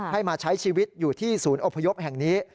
ให้มาใช้ชีวิตอยู่ที่ศูนย์อพยพแห่งนี้